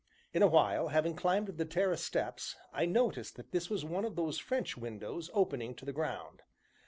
In a while, having climbed the terrace steps, I noticed that this was one of those French windows opening to the ground.